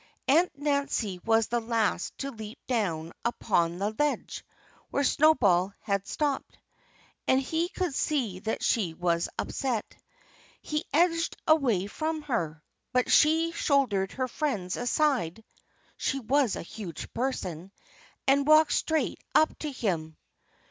Aunt Nancy was the last to leap down upon the ledge where Snowball had stopped. And he could see that she was upset. He edged away from her. But she shouldered her friends aside (she was a huge person!) and walked straight up to him.